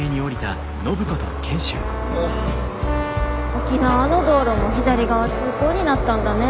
沖縄の道路も左側通行になったんだね。